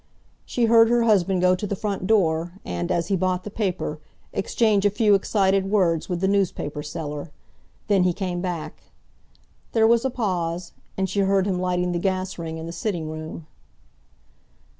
She heard her husband go to the front door, and, as he bought the paper, exchange a few excited words with the newspaper seller. Then he came back. There was a pause, and she heard him lighting the gas ring in the sitting room.